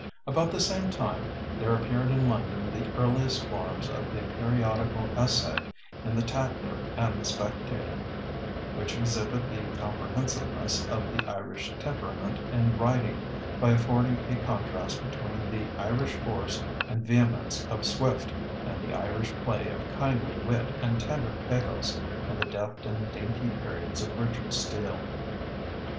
About the same time there appeared in London the earliest forms of the periodical essay in the Tatler and the Spectator, which exhibit the comprehensiveness of the Irish temperament in writing by affording a contrast between the Irish force and vehemence of Swift and the Irish play of kindly wit and tender pathos in the deft and dainty periods of Richard Steele.